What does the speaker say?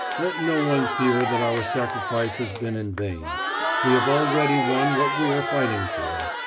Let no one fear that our sacrifice has been in vain. We have already won what we are fighting for.